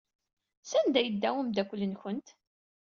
Sanda ay yedda umeddakel-nwent?